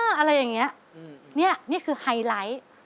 อะไรอย่างนี้นี่คือไฮไลท์